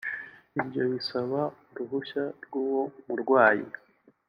ibyo bisaba uruhushya rw’uwo murwayi